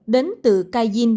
đến từ kaijin